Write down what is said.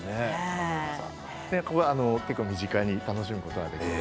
結構、身近に楽しむことができます。